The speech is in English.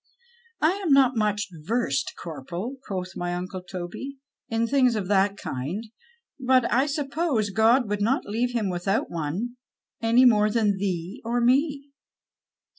" I am not much versed, Corporal," quoth my uncle Toby, " in things of that kind ; but I suppose God would not leave him without one, any more than thee or mc."